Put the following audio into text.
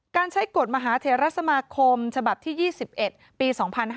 ใช้กฎมหาเทรสมาคมฉบับที่๒๑ปี๒๕๕๙